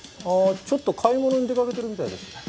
ああちょっと買い物に出かけてるみたいです。